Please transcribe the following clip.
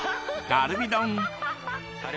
カルビ丼。